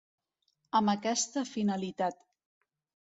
Amb aquesta finalitat.